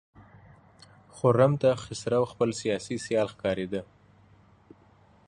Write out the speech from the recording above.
خرم ته خسرو خپل سیاسي سیال ښکارېده.